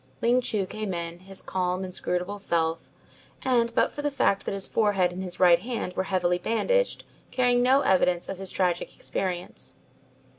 Ling Chu came in, his calm, inscrutable self, and but for the fact that his forehead and his right hand were heavily bandaged, carrying no evidence of his tragic experience.